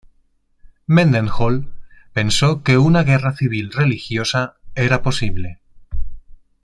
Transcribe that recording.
Mendenhall pensó que una guerra civil religiosa era posible.